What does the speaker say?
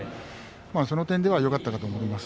その点ではよかったと思います。